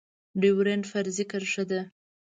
ډيورنډ فرضي کرښه ده